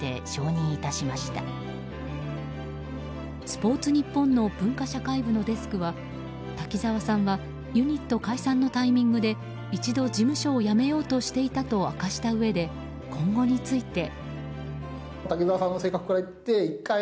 スポーツニッポンの文化社会部のデスクは滝沢さんがユニット解散のタイミングで一度、事務所を辞めようとしていたと明かしたうえで今後について。